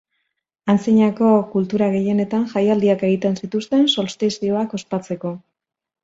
Antzinako kultura gehienetan, jaialdiak egiten zituzten solstizioak ospatzeko.